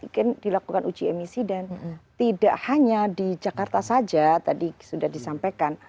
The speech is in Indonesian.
mungkin dilakukan uji emisi dan tidak hanya di jakarta saja tadi sudah disampaikan